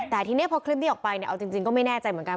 แต่ทีนี้พอคลิปนี้ออกไปเนี่ยเอาจริงก็ไม่แน่ใจเหมือนกัน